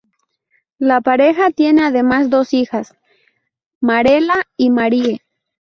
La pareja tiene además dos hijas, Marella y Marie.